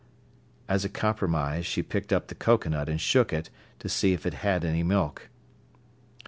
As a compromise, she picked up the cocoanut and shook it, to see if it had any milk.